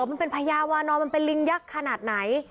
มันเป็นพญาวานอนมันเป็นลิงยักษ์ขนาดไหน